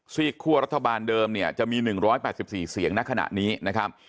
ซีกครัวรัฐบาลเดิมจะมี๑๘๔เสียงณขณะนี้นะครับ